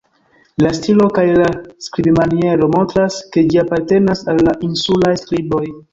La stilo kaj la skribmaniero montras, ke ĝi apartenas al la insulaj skriboj.